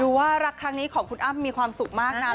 ว่ารักครั้งนี้ของคุณอ้ำมีความสุขมากนะ